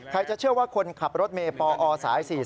ใครจะเชื่อว่าคนขับรถเมปอสาย๔๐